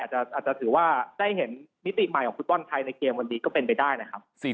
อาจจะถือว่าได้เห็นมิติใหม่ของฟุตบอลไทยในเกมวันนี้ก็เป็นไปได้นะครับ